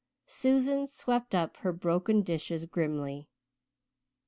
Susan swept up her broken dishes grimly.